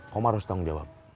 kamu harus tanggung jawab